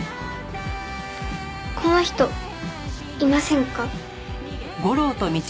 この人いませんか？